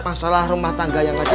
masalah rumah tangga yang ada